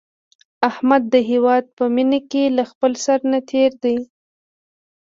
احمد د هیواد په مینه کې له خپل سر نه تېر دی.